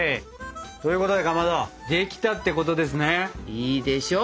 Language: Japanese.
いいでしょう。